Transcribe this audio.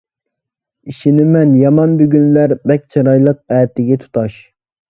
ئىشىنىمەن يامان بۈگۈنلەر، بەك چىرايلىق ئەتىگە تۇتاش.